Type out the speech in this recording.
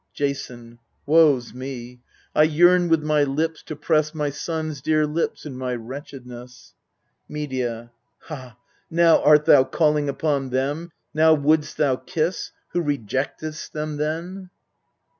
Jason. Woe's me ! I yearn with my lips to press My sons' dear lips in my wretchedness. Medea. Ha ! now art thou calling upon them, now wouldst thou kiss, Who rejectedst them then?